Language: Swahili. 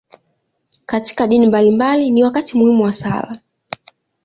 Katika dini mbalimbali, ni wakati muhimu wa sala.